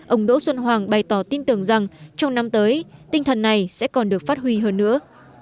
ông đỗ xuân hoàng bày tỏ tin tưởng rằng trong năm tới tinh thần này sẽ còn được phát huy hơn nữa